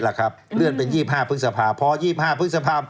เลื่อนเป็น๒๕พฤษภาพ๒๕พฤษภาพ